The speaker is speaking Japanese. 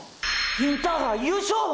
「インターハイ優勝」！！